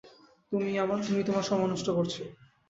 তুমি তোমার সময় নষ্ট করছ।